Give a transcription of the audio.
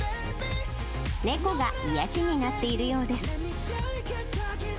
猫が癒やしになっているようです。